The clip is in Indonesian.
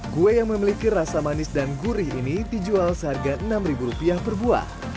kue yang memiliki rasa manis dan gurih ini dijual seharga rp enam per buah